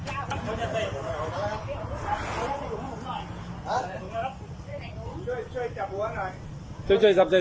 ตัวเมียตัวเมียตัวเมียตัวเมียตัวเมียตัวเมีย